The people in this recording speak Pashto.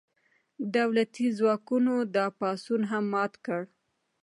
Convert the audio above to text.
دولتي ځواکونو دا پاڅون هم مات کړ.